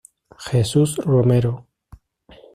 Jesús Romero.